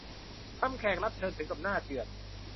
ทำแขกรับเชิญถึงกับหน้าเจื่อน